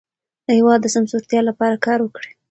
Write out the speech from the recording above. د هېواد د سمسورتیا لپاره کار وکړئ.